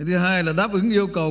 thứ hai là đáp ứng yêu cầu